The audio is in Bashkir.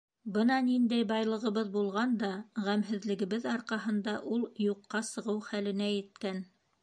Бына ниндәй байлыҡ булған да, ғәмһеҙлегебеҙ арҡаһында ул юҡҡа сығыу хәленә еткән.